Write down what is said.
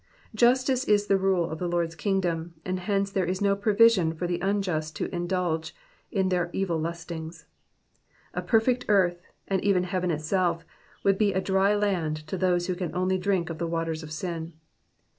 Justice is the rule of Digitized by VjOOQIC PSALM THE SIXTY EIGHTH. 217 the Lord^s kingdom, and hence there is no provision for the unjust to indulge their evil lustings : a perfect earth, and even heaven itself, would be a dry land to those who can only drink of the waters of sin.